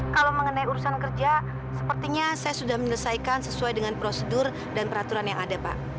kalau mengenai urusan kerja sepertinya saya sudah menyelesaikan sesuai dengan prosedur dan peraturan yang ada pak